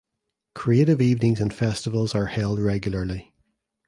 Creative evenings and festivals are held regularly.